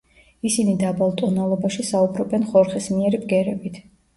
ისინი დაბალ ტონალობაში საუბრობენ ხორხისმიერი ბგერებით.